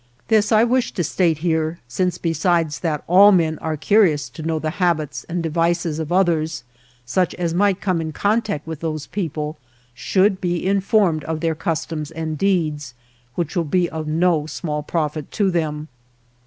This I wished to state here, since, besides that all men are curious to know the habits and devices of others, such as might come in contact with those people should be informed of their customs and deeds, which will be of no small profit to them.